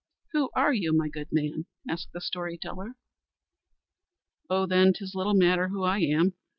"Who are you, my good man?" asked the story teller. "Oh, then, 'tis little matter who I am.